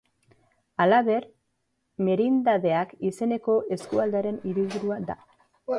Halaber, Merindadeak izeneko eskualdearen hiriburua da.